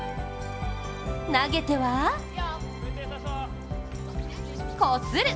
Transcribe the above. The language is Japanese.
投げてはこする！